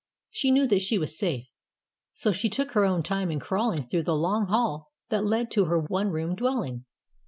She knew that she was safe. So she took her own time in crawling through the long hall that led to her one room dwelling.